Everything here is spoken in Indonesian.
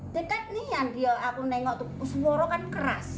dekat nih yang aku nengok tuh seworo kan keras